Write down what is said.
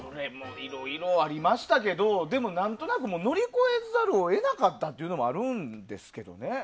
いろいろありましたけどでも、何となく乗り越えざるを得なかったのもあるんですけどね。